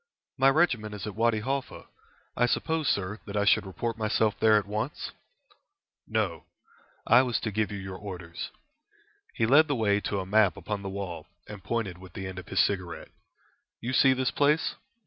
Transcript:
"My regiment is at Wady Halfa. I suppose, sir, that I should report myself there at once?" "No; I was to give you your orders." He led the way to a map upon the wall, and pointed with the end of his cigarette. "You see this place.